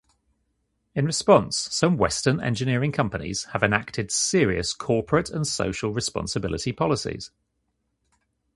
In response, some western engineering companies have enacted serious corporate and social responsibility policies.